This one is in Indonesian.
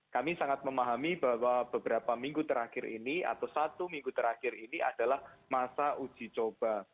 kami sangat memahami bahwa beberapa minggu terakhir ini atau satu minggu terakhir ini adalah masa uji coba